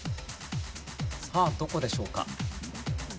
さあどこでしょうか？